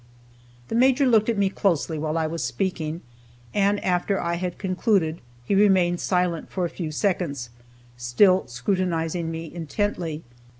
The Major looked at me closely while I was speaking, and after I had concluded he remained silent for a few seconds, still scrutinizing me intently.